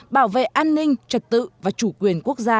bảo vệ an ninh trật tự và chủ quyền quốc gia